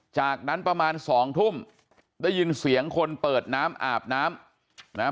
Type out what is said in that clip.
จากนั้นประมาณสองทุ่มได้ยินเสียงคนเปิดน้ำอาบน้ำนะฮะ